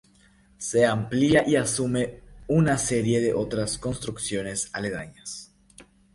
Se amplía y asume una serie de otras construcciones aledañas.